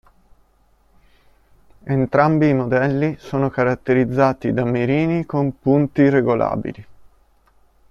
Entrambi i modelli sono caratterizzati da mirini con punti regolabili.